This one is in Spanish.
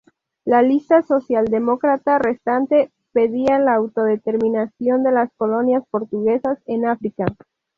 La lista socialdemócrata restante pedía la autodeterminación de las colonias portuguesas en África.